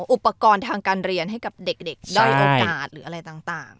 อุปกรณ์ทางการเรียนให้กับเด็กด้อยโอกาสหรืออะไรต่าง